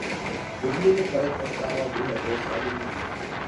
Po výměně karet nastává druhé kolo sázení.